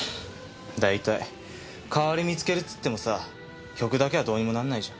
大体代わり見つけるつってもさあ曲だけはどうにもなんないじゃん。